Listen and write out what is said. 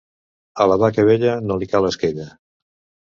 A la vaca vella no li cal esquella.